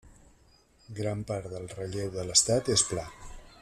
Gran part del relleu de l'estat és pla.